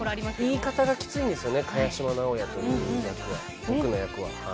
言い方がきついんですよね萱島直哉という役は。